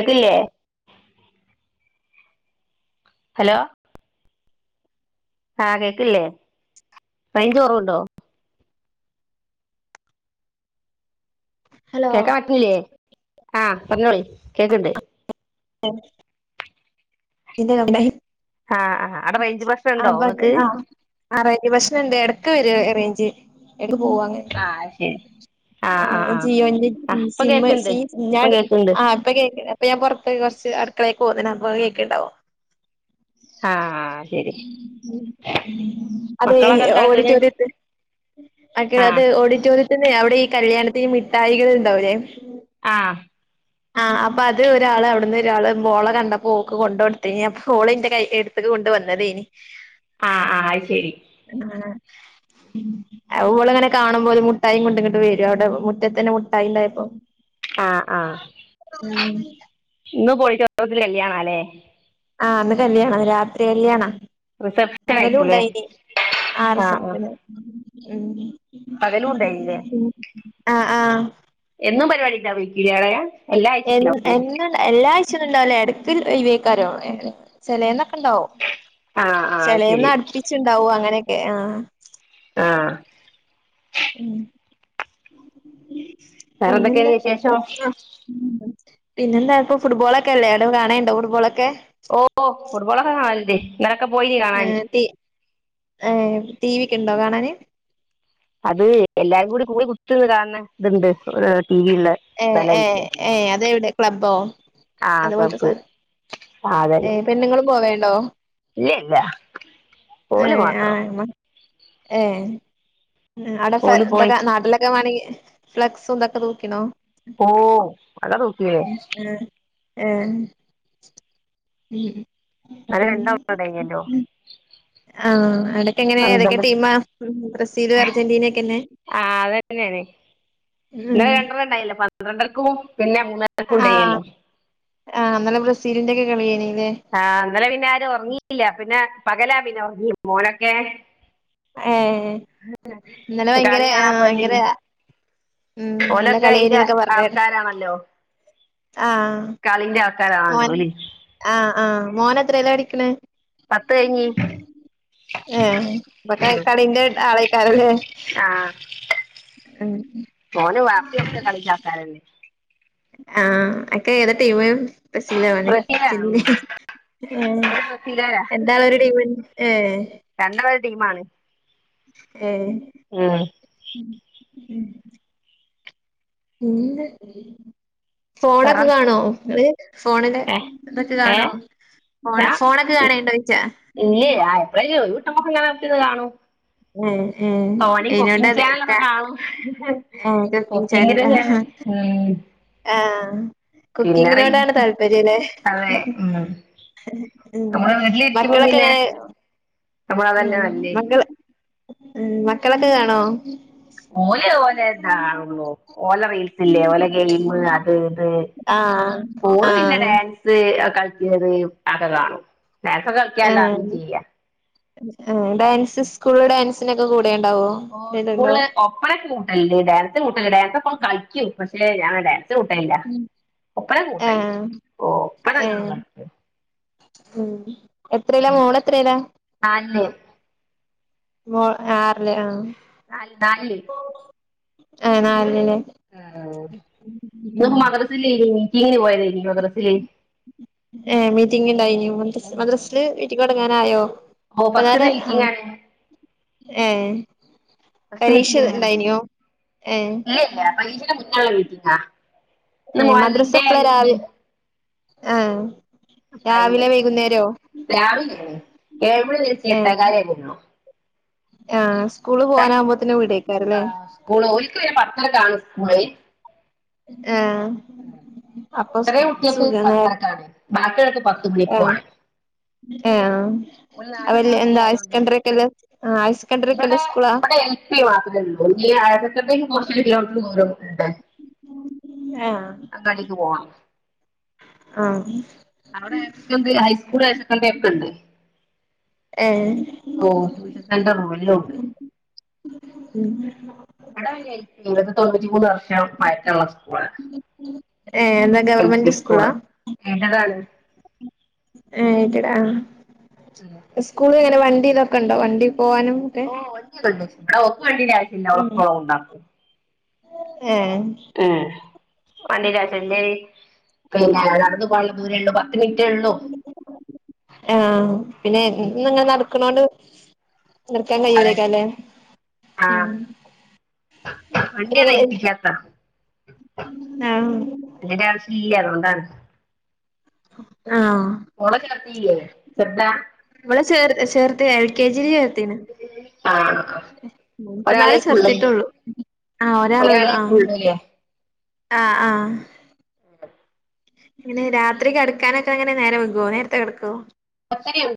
Ready ആയിലെ hello ആ കേക്ക്ല്ലേ റൈഞ്ച് കോറവുണ്ടോ ഹലോ കേക്കാം പറ്റ്ണില്ല്യെ ആ പർഞ്ഞോളീ കേക്ക്ണ്ട് എം [unintelligible] ആ ആ അവ്ട റൈഞ്ച് പ്രശ്ന ഇണ്ടോ ഇങ്ങക്ക് ആ ആ ആ റൈഞ്ച് പ്രശ്ന ഇണ്ട് എട്ക്ക് വര റൈഞ്ച് എടക്ക് പോവ അങ്ങനെ ആ ശെരി ആ ജിയോന്റെ ഇപ്പം സിമ്മ് കേക്കണ്ട് സി ഞാ ഇപ്പം ഇട് കേക്കണ്ട് ആ ഇപ്പ കേക്ക് അപ്പ ഞാൻ പൊർത്തുപോയി കൊർച്ച് അട്ക്കളേക്ക് പോന്ന് അപ്പ കേക്ക്ണ്ടാവും ആ ശരി അത് മക്കളൊക്ക എന്താക്ക്ണ് മക്കള അത് ഓഡിറ്റോറിയത്തിന്റെ അവ്ടെ ഈ കല്യാണത്തിന് ഈ മിഠായികള് ഇണ്ടാവുലെ ആഹ് ആ അപ്പ അത് ഒരാള് അവ്ട്ന്ന് ഒരാള് മോളെ കണ്ടപ്പോ ഓക്ക് കൊണ്ടോട്ത്തെനി അപ്പ ഓള് ഇന്റെ കൈക്ക് എട്ത്ത്ക്ക് കൊണ്ട് വന്ന ന്നതെനി ആ ആ അത് ശരി ആഹ് ഉം അത് ഓള് ഇങ്ങനെ കാണുമ്പോ ഓല് മുട്ടായീം കൊണ്ടും ഇങ്ങട്ട് വരും അവ്ടെ മുറ്റത്തന്നെ മുട്ടായി ഇണ്ടായപ്പൊ ആഹ് ആഹ് ഇന്നു പോയിട്ട് ഓഡിറ്റോറിയത്തില് കല്യാണാ ലെ ആ ഇന്ന്‌ കല്യാണ രാത്രി കല്യാണ റിസപ്ഷൻ പകലും ആയിരിക്കൂലേ ഇണ്ടായിനി ആർ ആ എസ് ആ എസ് ല് ഉം പകലും ഉണ്ടായില്ലേ പിന്നെ ആഹ് ആഹ് എന്നും പരിവാടി ഇണ്ടാവയ്‌ക്യു ലെ അവ്ടെ എന്ന്‌ എന്ത് എല്ലാ ആഴ്ച ഒന്നും ഇണ്ടാവൂല എടക്ക് ഒയിവേക്കാരോ ചെലെന്നൊക്ക ഇണ്ടാവും ആ ആ ചെലെന്ന് ശരി അട്പ്പിച് ഇണ്ടാവും അങ്ങനെക്കെ ആ ആഹ് ഉം പിന്നെന്താ വേറെന്തൊക്കെയാണ് വിശേഷം പിന്നെ എന്താ ഇപ്പ ഫുട്ബോളക്കല്ലേ എല്ലും കാണെണ്ടോ ഫുട്ബോളൊക്കെ ഓ ഫുട്ബോളക്ക കാണൽണ്ടെ ഇങ്ങളൊക്ക പോയിന്യോ ഏ തി ഏ ടി വിക്ക് ഇണ്ടോ കാണാന് അത് എല്ലാരും കൂടി കൂടി കുത്ത്ര്ന്ന് കാൺണ ഇത് ഇണ്ട് ടി വിള്ള ഏ ഏ ഏ അത് എവിടെ ക്ലബ്ബോ ആ അതുപോൽത്തെ ക്ലബ്ബ് സാനം ആ ഏ അതന്നെ പെണ്ണുങ്ങളും പോവെണ്ടോ ഇല്ല ഇല്ല ഏ ഓല് ആ മാത്രോ മ ഏ അവ്ടെ ഫ്ലെ ഓല് പോയി ഇതൊക്ക നാട്ടിലൊക്ക വാണങ്കി ഫ്ലെക്സും ഇതോക്ക തൂക്കിണോ ഓഹ് അല്ലാതോ‌ക്കിയേ ഏഹ് ഏഹ് ഉം ഇന്നലെ രണ്ട [unintelligible] കഴിഞ്ഞല്ലൊ ആഹ് എടക്കെങ്ങനെ ഏതൊക്കെ പന്ത്രണ്ട് ടീമാ ബ്രസീലും അർജന്റീനെക്കെന്നെ ആഹ് അതന്നേണ് ഉം ഇവടെ രണ്ടെണ്ണം ഇണ്ടായില്ലെ പന്ത്രണ്ടരക്കും പിന്നെ മൂന്നര ക്കും ഉണ്ടെയ്നല്ലോ ആഹ് ഇന്നലെ ബ്രസീലിന്റെക്കെ കളിയാന്നില്ലെ ആഹ് ഇന്നലെ പിന്നാരും ഒറങ്ങിയില്ല പിന്നെ പകലാ പിന്നെ ഒറങ്ങി മോനൊക്കെ ഏഹ് ഇന്നലെ കളി ഭയങ്കരെ കാണാൻ ആഹ് ഭയങ്കര പോയതേനി ഉം നല്ല ഓലൊക്കെ ഇത് കളിയാനിന്നേക്കെ പറഞ്ഞ് ആൾക്കാരാണല്ലോ ആഹ് കളീന്റാൾക്കാരാ [unintelligible] ആഹ് ആഹ് മോനെത്രയിലാ പഠിക്കണെ പത്ത് കഴിഞ്ഞ് അപ്പൊ കൈ കളീന്റെ ആളായ്ക്കാരല്ലേ ആഹ് ഉം മോന വാപ്പ ഒക്കെ കളീന്റാൾക്കാരായിരുന്നു ആഹ് അക്ക ഏതാ ടീമ് ബ്രസീലാവാനെ ബ്രസീലാ ഉം. അർജന്റീന ഏഹ് ഒരു ബ്രസീലുകാരാ എന്താണോര ടീമ് ഏഹ് രണ്ടു ഒരു ടീമാണ് ഏഹ് ഏഹ് [unintelligible] പറ ഫോണൊക്കെ കാണോ ഇങ്ങള് ഫോണില് ഏ ഇതൊക്കെ ഏ കാണോ ഫോണ് ഞാൻ ഫോണൊക്കെ ഇ- കാണണ്ടോയ്ച്ചാ ഇല്ലേ [unintelligible] കാണും ഉം ഉം ഇയ്നോണ്ട അത്‌ കാ ഔ കുക്കിങ്ങില് ഞാൻ ഉം ആഹ് പിന്നെ കുക്കിങ്ങിനോടാണ് റീൽസ് താല്പര്യം അല്ലെ അതെ ഉം. ഉം നമ്മള് മക്കളൊക്കെ എങ്ങനേ അപ്പൊ അതല്ലെ നല്ലേ ഉം മക്കളൊക്കെ കാണോ ഓല് ഓലെ ഇതാ കാണോള്ളു ഓല റീൽസില്ലേ ഓല ഗെയി മ് അത് ഇത് ആഹ് ഓള് പിന്നെ ആഹ് ഡാ ൻസ് കളിക്കുന്നത് അതൊക്കെ കാണും ഡാൻസൊക്കെ കളിക്കാ എല്ലാ അറിയേം ചെയ്യാ ഉം ഡാൻസ് സ്കൂള് ഡാൻസിനൊക്കെ കൂടെയെണ്ടാവോ ഓഹ് സ്കൂളില് ഒപ്പനക്കക്കെ കൂട്ടായില്ലേ ഡാൻസിന് കൂട്ടലില്ല ഡാൻസൊക്കെ കളിക്കും പക്ഷേ ഞാൻ ഡാ ൻസിനു കൂട്ടായില്ല ഒപ്പനക്കു കൂട്ടായി ആഹ് ഒപ്പന നല്ലോണം ഏഹ് കളിക്കും ഉം എത്രയില മോളെത്രയിലാ ആന്നു മോ ആറില് ആഹ് നാൽ നാൽല് ആഹ് നാലില് ഏഹ് ഓഹ് ഇന്ന് മദ്രസ ലീവെനിക്ക് [unintelligible] മദ്ര ഏഹ് മീറ്റിംങ്ങിണ്ടായിനു ദ്രസ് മദ്രസില് മീറ്റിംഗ് തുടങ്ങാനായോ ഓ ഇപ്പ ഫസ്റ്റ് നേരെ മീറ്റിംഗ് ആഹ് ആണ് ഏഹ് ഫസ്റ്റ് പരീക്ഷ മീറ്റിംഗ് ആണ് ഇണ്ടായിനോ ഏഹ് മുന്നേള്ള മീറ്റിംങ്ങാ ഏഹ് മദ്രസ എപ്പളാ രാവി ആഹ് അപ്പ അതിന്റെ രാവിലെ വൈകുന്നേരോ രാവിലേ ഏഴ് മണി മുതല് എട്ടേ ഏഹ് കാല് [unintelligible] ആഹ് സ്കൂള് പോകാൻ ആവുമ്പോത്തിന് വിടൊയ്ക്കാരല്ലേ സ്ക്കൂള് ഓൽക്ക് പിന്നെ പത്തരക്ക് ആണ് സ്കൂളെയ് ആഹ് അപ്പൊ ചെറിയ കുട്ടിയേക്ക് സുഖാണ് പത്തരക്ക് ആണ് ബാക്കി ഉള്ളോര്ക്ക് പത്ത് മണിക്കു ആണ്. ഏഹ് ആഹ് അവര് എന്താ [unintelligible] ക്ലാസ്സിലായതുകൊണ്ട് ആഹ് അത് ശ [unintelligible] സ്കൂളാ ട്ടി മാത്രെ ഉള്ളൂ ഈ [unintelligible] ആഹ് പോകണം ആഹ് അവിടെ ഹയർ സെക്കൻഡറി ഹൈസ്കൂള് [unintelligible] ഏഹ് ഓഹ് ട്യൂഷൻ സെന്റർ വലിയൊ ഉണ്ട്. ഇവടെ [unintelligible] തൊണ്ണൂറ്റി മൂന്ന് വർഷം പഴക്കള്ള സ്കൂളാ ഏഹ് എൽ പി ഗവർമെന്റ് സ്കൂളാ സ്കൂള് എയ്ഡഡ് ആണ് ഏഹ് എയ്ഡഡാ ഇസ്കൂള് എങ്ങനെ വണ്ടി ഇതൊക്കെ ഉണ്ടോ വണ്ടി പോവാനും. ഒക്കെ ഓഹ് വണ്ടി ഒന്നും ഇല്ല ഓക്ക് വണ്ടിടെ ആവശ്യം ഇല്ല ഓളെ ഉം ഉപ്പ ഓളെ കൊണ്ടാക്കും. ഏഹ് ഏഹ് വണ്ടിയുടെ ആവശ്യം ഇല്ലേ പിന്നെ നടന്ന് പോകാനുള്ള ദൂരേ ഉള്ളൂ പത്ത് മിനിറ്റേ ഉള്ളൂ. ഏഹ് ആഹ് പിന്നെ അങ്ങനെ നടക്കണോണ്ട്. നിർത്താൻ അതെ കഴിയൂലയിക്കാരം ലേ ഉം ആഹ് വണ്ടി ഞങ്ങള് ഏൽപ്പിച്ചതാ ട്ടോ ആഹ് വണ്ടിടെ ആവശ്യല്ല അതു കൊണ്ടാണ്. ആഹ് മോളെ ചേർത്തീല്ലേ ചെറുതാ മോളെ ചേർ ചേർത്ത് എൽ കെ ജി യില് ചേർത്തിണ്. ആഹ് ഉം ഇപ്പന്നാരെ ഒരാളേക്ക് ചേർത്തിട്ട് ഉള്ളൂല്ലേ ഉള്ളൂ ആഹ് ഒരാള് ഉള്ളു. ഒരാളേക്ക് ആഹ് ഉള്ളൂല്ലേ ആഹ് ആഹ് പിന്നെ രാത്രി കിടക്കാനൊക്കെ എങ്ങനെ നേരം വൈകോ നേരത്തെ കിടക്കോ പത്തര ആവും.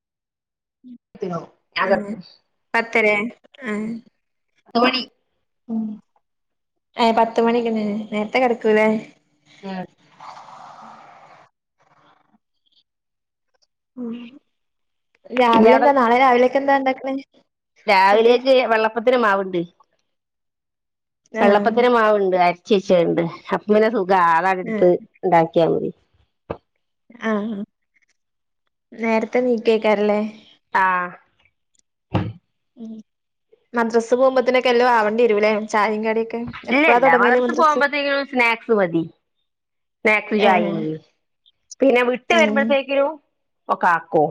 ഏഹ് കിടക്കും പത്തരേ ആഹ് [unintelligible] ഉം ഏഹ് പത്ത് മണിക്ക് തന്നെ ലേ നേരത്തെ കെടക്കും അല്ലേ? ആഹ് ഉം രാവിലെ ഇയാടെ എന്താ നാളെ രാവിലേക്ക് എന്താ ഉണ്ടാക്ക്ണ് രാവിലേക്ക് വെള്ളപ്പത്തിന് മാവ് ഉണ്ട്. ആഹ് വെള്ളപ്പത്തിന് മാവ് ഉണ്ട് അരച്ച് വെച്ചത് ഉണ്ട് അപ്പ പിന്നെ സുഖാ അതാണ് ആഹ് ഇട്ത്ത് ഇണ്ടാക്കിയാ മതി. ആഹ് നേരത്തെ നീക്കയ്ക്കാരല്ലേ? ആഹ് ഉം മദ്രസ്സിൽ പോകുമ്പത്തിന് എല്ലാം ആവണ്ടി വരുംലേ ചായിം കടിം ഒക്കെ ഏഹ് ഇല്ല മദർസ് പോകുമ്പോത്തേങ്ങും സ്നാക്സ് മതി. സ്നാക്സ് ഏഹ് ചായിം മതി പിന്നെ വിട്ട് ഏഹ് വരുമ്പോഴ്ത്തേക്കും. ഒക്ക ആക്കും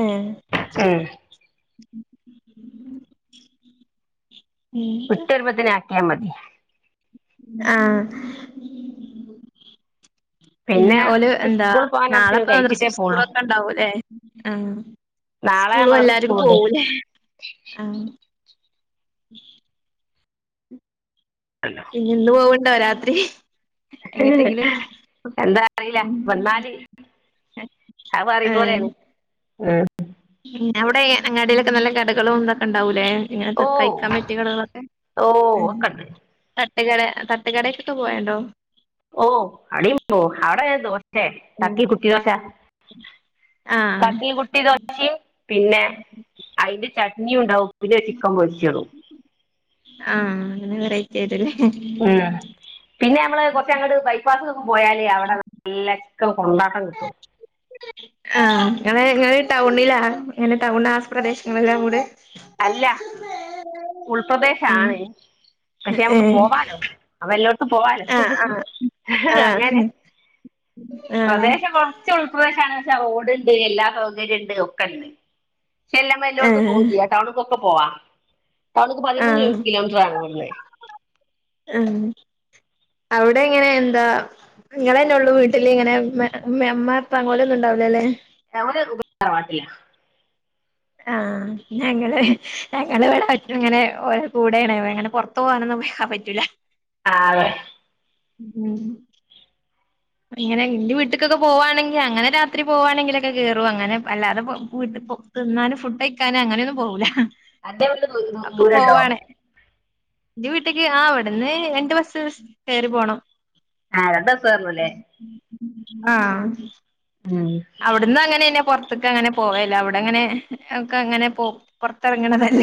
ഏഹ് ഉം ഉം വിട്ട് വരുമ്പത്തിന് ആക്കിയാൽ മതി ആഹ് പിന്നെ ഓല് എന്താ സ്കൂൾ നാളെപ്പൊ പോകാനാകുമ്പത്തേനും മദർസിം കഴിച്ചിട്ടേ പോവുള്ളൂ സ്കൂളൊക്കെ ഉണ്ടാവുലേ ആഹ് നാളെ സ്കൂളിൽ മദ്രസ എല്ലാരും സ്കൂളുണ്ട് പോവുലേ ആഹ് അല്ല ഞ്ഞ്ന്ന് പോവുന്നുണ്ടോ രാത്രി എങ്ങെട്ടെങ്കിലും എന്താ അറിയില്ല ഉം വന്നാല് എഹ് ഏഹ് ഏഹ് അവിടെ അങ്ങാടിയിലൊക്കെ നല്ല കടകളും തൊക്കെ ഉണ്ടാവുലേ ഇങ്ങനത്തെ ഓ കഴിക്കാൻ പറ്റിയ കടകളൊക്കെ ഓ ഉം ഒക്കെണ്ട് തട്ടുകട തട്ടുകടേൽക്ക് പോയാലോ ഓഹ് അവടിം ഓഹ് അവടെ ദോഷ ഉം തട്ടികുട്ടിയതൊക്കെ ആഹ് പിന്നെ അതിന്റെ ചട്നിയുണ്ടാവും പിന്നെ ചിക്കൻ പൊരിച്ചതും ആഹ് അങ്ങനെ വെറൈറ്റി ആയിട്ട്ലേ ഉം പിന്നെ നമ്മള് കൊറച്ച് അങ്ങോട്ട് ബൈപ്പാസ്ക്ക് പോയാല് ച്ചേ അവടെ നല്ലക്ക കൊണ്ടാട്ടം കിട്ടും ആഹ് ഇങ്ങള് ഇങ്ങള് ടൗണിലാ ഇങ്ങനെ ടൗണാസ് ആപ്രദേശങ്ങളിലാ വീട് അല്ല ഉൾപ്രദേശാണ് പക്ഷെ നമക്ക് ഏഹ് പോവാലോ അപോ എല്ലോട്ത്തും പോവാലോ ആഹ് ആഹ് അങ്ങനെ ആഹ് ആഹ് സ്വദേശം കോ ച്ചൊൾപ്രദേശാണ് പക്ഷെ റോഡ്ണ്ട് എല്ലാ സൗകര്യം ഉണ്ട് ഒക്കെ ഉണ്ട് ചെല്ലുമ്പോ എല്ലോട്ത്തും പോവും ആഹ് ചെയ്യാം ടൗണ്ക്കൊക്കപോവാം ടൗണ്ക്ക് പതിമൂന്ന് കിലോ ആഹ് കിലോമീറ്റർ ആണ് ഇവിടുന്ന് ആഹ് അവിടെ ഇങ്ങനെ എന്താ നിങ്ങളെന്നെ ഉള്ളു വീട്ടില് ഇങ്ങനെ ഉമ്മ ഉപ്പ ഓല് ഒന്നും ഉണ്ടാവുലലേ എവടെ റൂമ് തറവാട്ടിലാ ആഹ് ഞങ്ങള് ഞങ്ങള് ഇവിടെ ഒറ്റും ഇങ്ങനെ ഓരെ കൂടെണ് ഇങ്ങനെ പെർ ത്ത് പോവനൊന്നും ഹാ പറ്റൂല ആഹ് അതെ ഉം ഇങ്ങനെ എന്റെ വീട്ട്ക്കൊക്കെ പോവാണെങ്കിൽ അങ്ങനെ രാത്രി പോവാണെങ്കിലൊക്കെ കേറും അങ്ങനെ അല്ലാതെ പോ വീട്ട് പോ തിന്നാനും ഫുഡ്ഡ് കഴിക്കാനും അങ്ങനൊന്നും പോവുല അന്റെ വീട് ദൂ- ദൂ- ഒക്ക ദൂരണ്ടോ പോവാണേ എന്റെ വീട്ടക്ക് ആ ഇവിടുന്ന് രണ്ട് ബസ്സ് ബസ്സ് കയറി പോണം ആഹ് രണ്ട് ബസ് കേർണം ലേ ആഹ് ഉം. അഹ് എന്നും അങ്ങനെന്നെ പുറത്ത് ക്ക് അങ്ങനെപോവലില്ല അവിടെ അങ്ങനെ ഒക്കെ അങ്ങനെ പോ പുറത്തിറങ്ങണതല്ല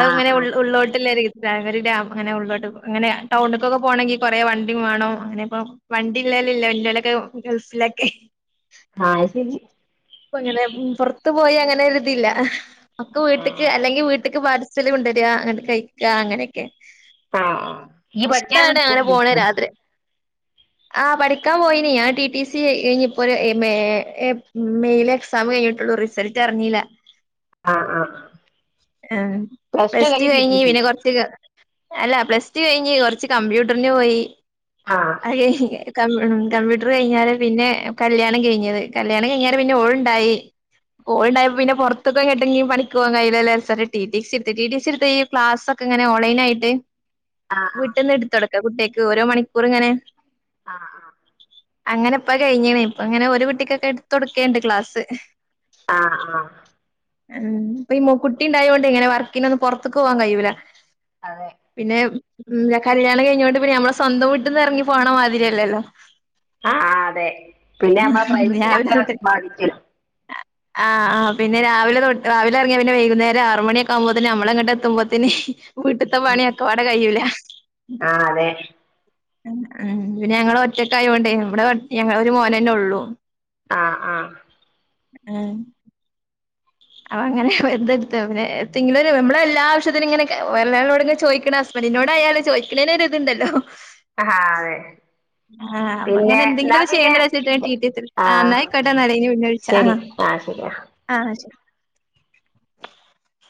ആ ഇങ്ങനെ ആ ഉള്ളോ ഉള്ളോട്ടില്ല രി [unintelligible] അങ്ങനെ ഉള്ളോട്ട്ങ്ങന ടൗണിൽക്കൊക്കെ പോണെങ്കിൽ കൊറെ വണ്ടി വേണം അങ്ങനെ പോ വണ്ടിള്ളോലും ഇല്ല ഇല്ലോലൊക്കെ ഗൾഫിലൊക്കെ ആഹ അയ് ശെരി ഇപ് അങ്ങനെ പുറത്ത് പോയി അങ്ങനെ രുതില്ല ഒക്ക് ആ വീട്ടക്ക് അല്ലെങ്കിൽ വീട്ടക്ക് പാതി [unintelligible] കൊണ്ടര ന്നട്ട്കഴിക്ക അങ്ങനൊക്കെ ആ ആ. ഈ ഇഷ്ടാണ് പഠിക്കാനൊന്നും അങ്ങനെ പോണ പോയില്ലേക്കും രാത്രി ആഹ പഠിക്കാൻ പോയി ഞാൻ ടി ടി സി കഴിഞ്ഞ ഇപ്പോ മെ മെയിലെ എക്സാം കഴിഞ്ഞിട്ടുള്ളു റിസ് റിസൽറിഞ്ഞില്ല ! ! ! ആഹ പ്ലസ് ടു കഴിഞ്ഞ് ടി പ്രസ്റ്റുകഴിഞ് ടി സി പിന്നെ കൊറ അല്ല പ്ലസ് ടു കഴിഞ്ഞ് കുറച്ച് കമ്പ്യൂട്ടറിന് പോയി ആഹ് അതെ കമ്പ്യൂട്ടർ കഴിഞ്ഞാല് പിന്നെ കല്യാണം കഴിഞ്ഞത് കല്യാണം കഴിഞ്ഞാല് പിന്നെ ഓഴ തായി കോ [unintelligible] ണ്ടായപ്പോ പിന്നെറത്തക്കെ കേട്ടെങ്കി പണിക്ക പോവാകയ്യില്ല ടി ടി സി എടുത്ത് ടി ടി സ എടു ഈ ക്ലാസ്ക്കെ ഇങ്ങനെ ഓൺലൈൻ ആയിട്ട് ആ ആ വീട്ടിൽന്ന് എടുത്ത്ടുക്കാം കുട്ടികക്ക് ഓരോ മണിക്കൂർ ഇങ്ങനെ ആഹ് അങ്ങനെപ്പൊ കഴിഞ്ഞണ ഇപ്പ അങ്ങനെ ഒരു കുട്ടിക്കൊക്കെ തുടക്കേണ്ട് ക്ലാസ് ആ ആ ഉം ഇപ്പൊ കുട്ടിണ്ടായത് കൊണ്ട് ഇങ്ങനെ വർക്കിന ഒന്നും പുറത്തക്ക് പോവാൻ കഴിയൂല്ല അതെ പിന്നെ ഉ കല്യാണം കഴിഞ്ഞോണ്ട് പിന്നെ നമ്മളെ സ്വന്തം വീട്ടന്ന് ഇറങ്ങി പോണ മാതിരിയല്ലല്ലോ ആഹ് അതെ പിന്നെ നമ്മള രാവിലെ പ്രൈവസീനൊക്കെ തൊട്ട് ബാധിച്ച ആഹ് ആഹ പിന്നെ രാവിലെ രാവിലെ ഇറങ്ങിയ പിന്നെ വൈകുന്നേരം ആറു മണിയക്കെ ആകുമ്പോത്തന്ന നമ്മളെങ്ങോട്ട് എത്തുമ്പോത്തേന് വീട്ടത്തെ പണിയൊക്കെ അടെ കഴയിയൂല ആഹ് അതെ ആഹ പിന്നെ ഞങ്ങള് ഒറ്റക്ക ആയോണ്ടേ നമ്മടെ ഞങ്ങള ഒരു മോനന്നെ ഉള്ളൂ ആഹ് ആഹ് ആഹ് അപ്പ അങ്ങനെ എന്തെടുത്ത പിന്നെ എന്തങ്കിലും നമ്മ എല്ലാാവശ്യത്തിന ഇങ്ങനെ ഒരളോട് ചോദിക്കണ അപ്പന്നോട്യയാലോ ചോദിക്കുന്നേരി ഇതുണ്ടല്ലോ ആഹ് അതെ ആഹ് അങ്ങനെ പിന്നെ എന്നാ എന്തെങ്കിലും പിന്നെ ചെയ്യണ്ടച്ചട്ട റ്റ നായിക്കോട്ട ന ഇനിണ്ഴിച്ച ആഹ് ശരി ആഹ് ശരി